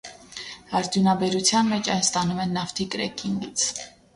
Արդյունաբերության մեջ այն ստանում են նավթի կրեկինգից։